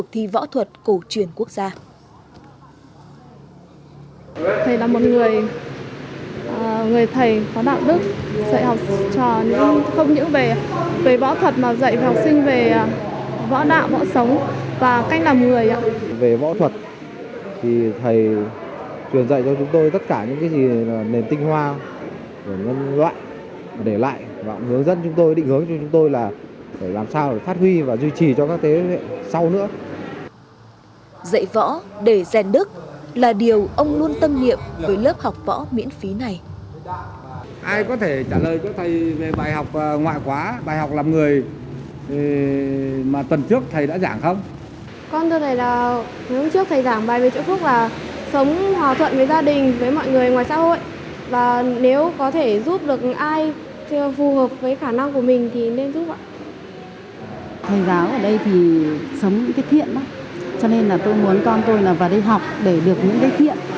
thầy giáo ở đây thì sống những cái thiện đó cho nên là tôi muốn con tôi là vào đây học để được những cái thiện